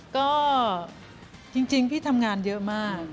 ก็จริงพี่ทำงานเยอะมาก